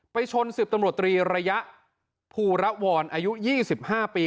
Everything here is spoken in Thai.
ชน๑๐ตำรวจตรีระยะภูระวรอายุ๒๕ปี